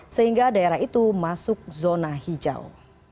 sehingga daerah itu masuk zona hijau